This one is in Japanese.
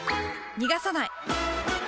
逃がさない！